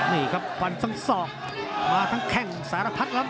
นี่ครับฟันทั้งศอกมาทั้งแข้งสารพัดแล้ว